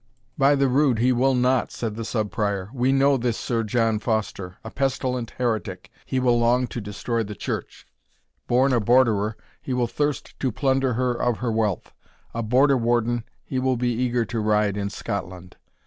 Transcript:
"By the rood, he will not," said the Sub Prior; "we know this Sir John Foster a pestilent heretic, he will long to destroy the church born a Borderer, he will thirst to plunder her of her wealth a Border warden, he will be eager to ride in Scotland.